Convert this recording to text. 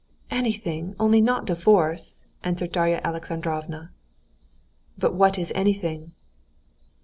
"Anything, only not divorce!" answered Darya Alexandrovna "But what is anything?"